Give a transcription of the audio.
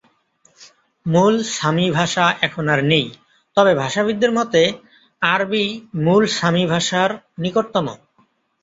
মূল সামি ভাষা এখন আর নেই, তবে ভাষাবিদদের মতে, আরবি মূল সামি ভাষার নিকটতম।